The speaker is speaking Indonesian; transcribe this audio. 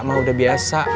mah udah biasa